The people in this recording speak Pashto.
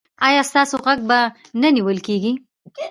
ایا ستاسو غږ به نه نیول کیږي؟